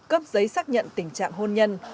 cấp giấy xác nhận tình trạng hôn nhân